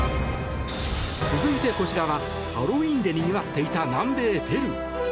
続いて、こちらはハロウィーンでにぎわっていた南米ペルー。